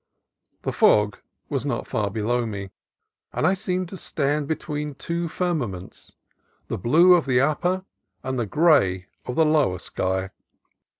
The fog was not far below me, and I seemed to stand be tween two firmaments, the blue of the upper and the gray of the lower sky.